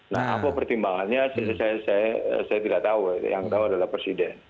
nah apa pertimbangannya saya tidak tahu yang tahu adalah presiden